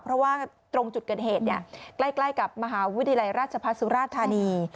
เพราะว่าตรงจุดเกิดเหตุใกล้กับมหาวิทยาลัยราชพัฒน์สุราธานี